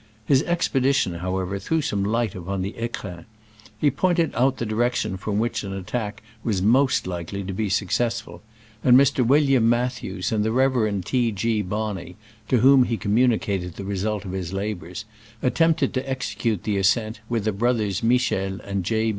His expedition, however, threw some light upon the fecrins. He pointed out the direction from which an attack was most likely to be successful, and Mr. William Mathews and the Rev. T. G. Bonney (to whom he communicated the result of his labors) attempted to execute the ascent, with the brotliers Michel and J.